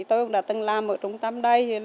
tôi cũng đã từng làm ở trung tâm đây